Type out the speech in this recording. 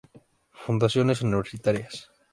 Fundaciones Universitarias.